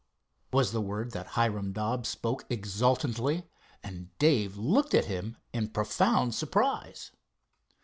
was the word that Hiram Dobbs spoke exultantly, and Dave looked at him in profound surprise.